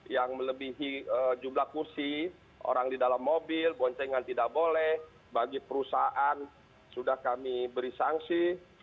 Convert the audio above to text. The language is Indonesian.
yang melebihi jumlah kursi orang di dalam mobil boncengan tidak boleh bagi perusahaan sudah kami beri sanksi